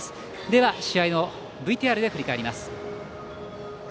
では、試合をＶＴＲで振り返ります。